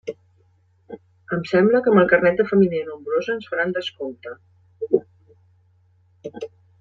Em sembla que amb el carnet de família nombrosa ens faran descompte.